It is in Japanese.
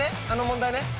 あの問題ね。